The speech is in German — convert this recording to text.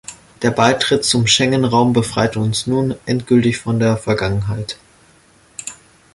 Der Beitritt zum Schengen-Raum befreit uns nun endgültig von der Vergangenheit.